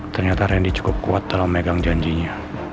ternyata ren di cukup kuat dalam megang janjinya